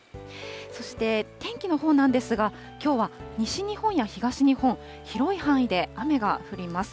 そして天気のほうなんですが、きょうは西日本や東日本、広い範囲で雨が降ります。